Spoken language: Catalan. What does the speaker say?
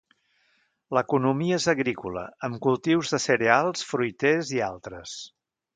L'economia és agrícola amb cultius de cereals, fruiters i altres.